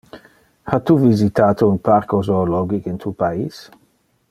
Ha tu visitate un parco zoologic in tu pais?